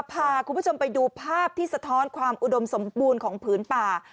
พาคุณผู้ชมไปดูภาพที่สะท้อนความอุดมสมบูรณ์ของผืนป่า